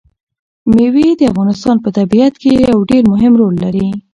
مېوې د افغانستان په طبیعت کې یو ډېر مهم رول لري.